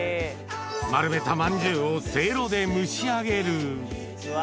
丸めたまんじゅうをせいろで蒸し上げるうわ！